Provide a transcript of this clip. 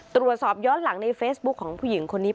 ตรวจสอบย้อนหลังในเฟซบุ๊คของผู้หญิงคนนี้